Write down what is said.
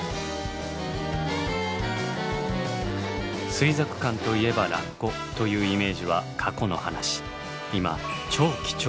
「水族館といえばラッコ」というイメージは過去の話。